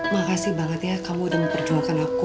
makasih banget ya kamu udah memperjuangkan aku